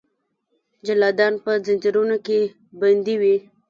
جلادان به ځنځیرونو کې بندي وي.